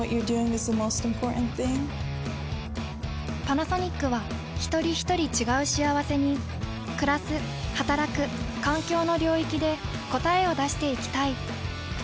パナソニックはひとりひとり違う幸せにくらすはたらく環境の領域で答えを出していきたい。